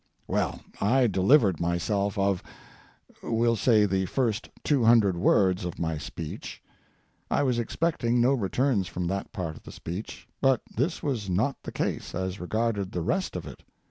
Well, I delivered myself of—we'll say the first two hundred words of my speech. I was expecting no returns from that part of the speech, but this was not the case as regarded the rest of it.